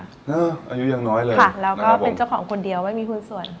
อายุยังน้อยเลยค่ะแล้วก็เป็นเจ้าของคนเดียวไม่มีหุ้นส่วน